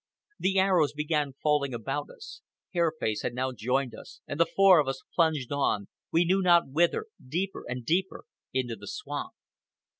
The arrows began falling about us. Hair Face had now joined us, and the four of us plunged on, we knew not whither, deeper and deeper into the swamp.